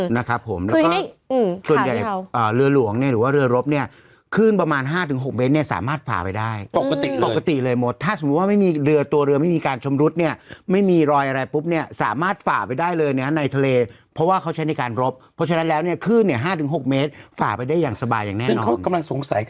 นะครับผมแล้วก็ส่วนใหญ่เรือหลวงเนี่ยหรือว่าเรือรบเนี่ยขึ้นประมาณ๕๖เมตรเนี่ยสามารถฝ่าไปได้ปกติปกติเลยหมดถ้าสมมุติว่าไม่มีเรือตัวเรือไม่มีการชำรุดเนี่ยไม่มีรอยอะไรปุ๊บเนี่ยสามารถฝ่าไปได้เลยนะในทะเลเพราะว่าเขาใช้ในการรบเพราะฉะนั้นแล้วเนี่ยคลื่นเนี่ย๕๖เมตรฝ่าไปได้อย่างสบายอย่างแน่นอนเขากำลังสงสัย